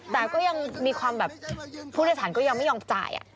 แต่ก็ยังมีความแบบผู้โดยสารก็ยังไม่ยอมจ่าย